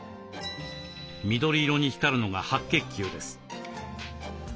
緑色に光るのが白血球です。